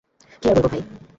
কী আর বলব ভাই!